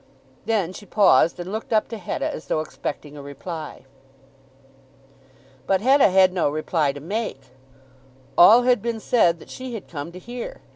Then she paused and looked up to Hetta as though expecting a reply. But Hetta had no reply to make. All had been said that she had come to hear.